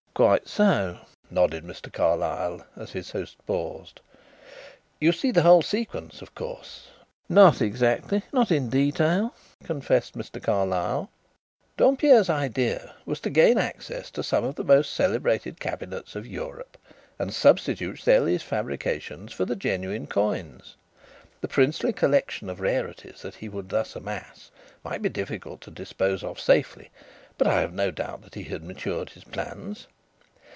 "Quite so," nodded Mr. Carlyle, as his host paused. "You see the whole sequence, of course?" "Not exactly not in detail," confessed Mr. Carlyle. "Dompierre's idea was to gain access to some of the most celebrated cabinets of Europe and substitute Stelli's fabrications for the genuine coins. The princely collection of rarities that he would thus amass might be difficult to dispose of safely, but I have no doubt that he had matured his plans.